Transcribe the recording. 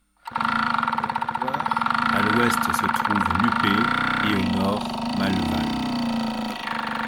Dans la Loire, à l’ouest se trouve Lupé et au nord Malleval.